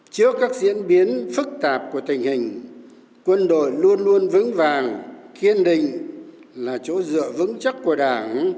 trước các diễn biến phức tạp của tình hình quân đội luôn luôn vững vàng kiên định là chỗ dựa vững chắc của đảng